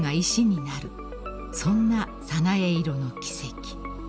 ［そんな早苗色の奇跡］